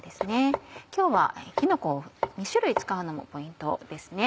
今日はきのこを２種類使うのもポイントですね。